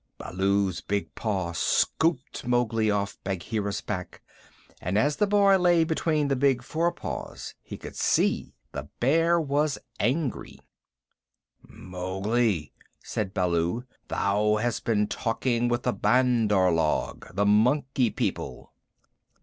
"Whoof!" Baloo's big paw scooped Mowgli off Bagheera's back, and as the boy lay between the big fore paws he could see the Bear was angry. "Mowgli," said Baloo, "thou hast been talking with the Bandar log the Monkey People."